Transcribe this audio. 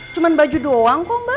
cuma baju doang kok mbak